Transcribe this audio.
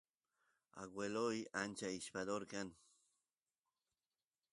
agueloy ancha ishpador kan